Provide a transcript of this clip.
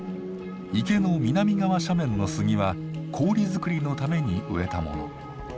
池の南側斜面の杉は氷作りのために植えたもの。